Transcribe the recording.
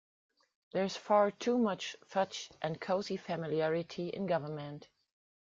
There's far too much fudge and cosy familiarity in government.